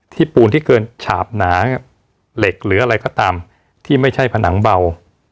ปูนที่เกินฉาบหนาเหล็กหรืออะไรก็ตามที่ไม่ใช่ผนังเบา